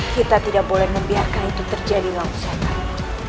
kita tidak boleh membiarkan itu terjadi longsatan